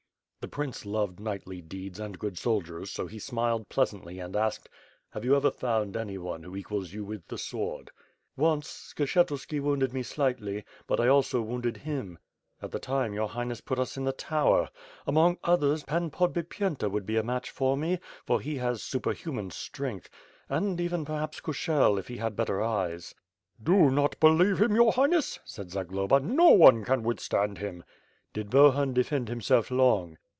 The prince loved knightly deeds and good soldiers so he smiled pleasantly and asked: "Have you ever found anyone who equals you with the sword?" "Once, Skshetuski wounded me slightly, but I also wounded him; at the time your Highness put us in the tower. Among others, Pan Podbipyenta would be a match for me, for he has superhuman strength, — ^and even perhaps Kushel, if he had better eyes." "Do not believe him jx)ur Highness," said Zagloba, "no one can withstand him." "Did Bohun defend himself long?"